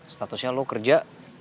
statusnya lo kerja